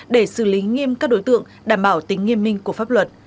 để xử lý nghiêm các đối tượng đảm bảo tính nghiêm minh của pháp luật